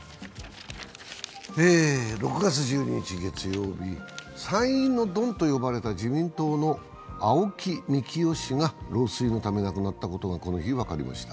６月１２日月曜日、参院のドンと呼ばれた自民党の青木幹雄氏が老衰のため亡くなったことがこの日、分かりました。